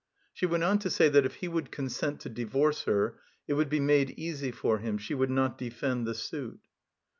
She went on to say that if he would consent to divorce her, it would be made easy for him, she would not defend the suit.